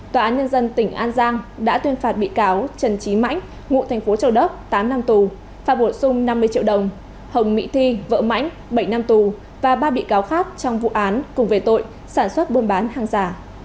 tòa án nhân dân tỉnh an giang đã tuyên phạt bị cáo trần trí mãnh ngụ thành phố châu đốc tám năm tù phạt bổ sung năm mươi triệu đồng hồng mỹ thi vợ mãnh bảy năm tù và ba bị cáo khác trong vụ án cùng về tội sản xuất buôn bán hàng giả